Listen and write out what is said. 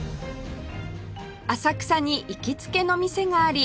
浅草に行きつけの店があり